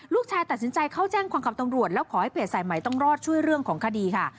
ลูกชายตัดสินใจเข้าแจ้งความกับตำรวจแล้วขอให้เพจสายใหม่ต้องรอดช่วยเรื่องของคดีค่ะ